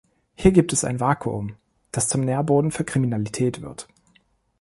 Hier gibt es ein Vakuum, das zum Nährboden für Kriminalität wird.